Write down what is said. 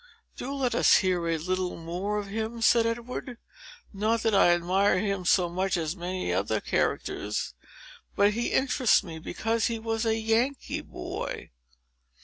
"Do let us hear a little more of him!" said Edward; "not that I admire him so much as many other characters; but he interests me, because he was a Yankee boy."